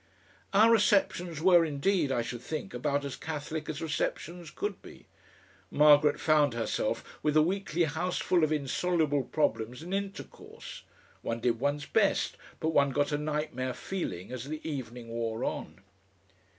Our receptions were indeed, I should think, about as catholic as receptions could be. Margaret found herself with a weekly houseful of insoluble problems in intercourse. One did one's best, but one got a nightmare feeling as the evening wore on.